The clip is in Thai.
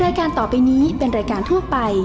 รายการต่อไปนี้เป็นรายการทั่วไป